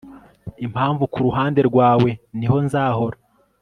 Impamvu kuruhande rwawe niho nzahora